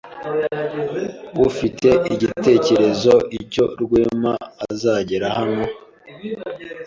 Ufite igitekerezo icyo Rwema azagera hano?